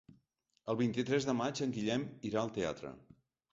El vint-i-tres de maig en Guillem irà al teatre.